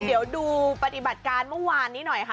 เดี๋ยวดูปฏิบัติการเมื่อวานนี้หน่อยค่ะ